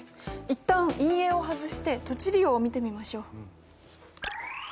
一旦陰影を外して土地利用を見てみましょう。